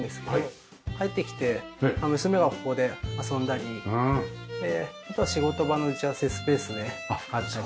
帰ってきて娘はここで遊んだりあとは仕事場の打ち合わせスペースであったり。